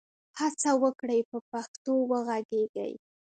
هڅه وکړئ په پښتو وږغېږئ.